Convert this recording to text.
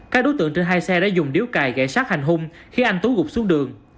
các đối tượng trên hai xe đã dùng điếu cài gãy sát hành hung khi anh tú gục xuống đường